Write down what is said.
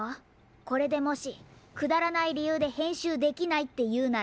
これでもしくだらないりゆうでへんしゅうできないっていうなら。